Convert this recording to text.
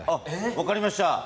分かりました。